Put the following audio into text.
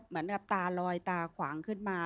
เหมือนแบบตาลอยตาขวางขึ้นมา